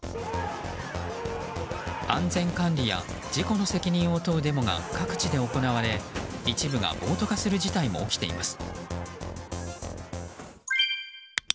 安全管理や事故の責任を問うデモが各地で行われ一部が暴徒化する事態も起きています。